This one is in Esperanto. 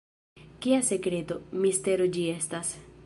Kia sekreto, mistero ĝi estas?